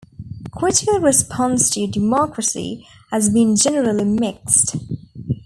Critical response to "Democracy" has been generally mixed.